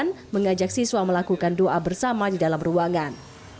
korban mengajak siswa melakukan doa bersama di dalam ruangan